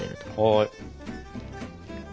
はい。